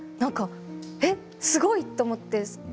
えっすごいと思って。